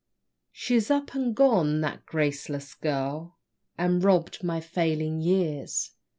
She's up and gone, the graceless girl, And robb'd my failing years!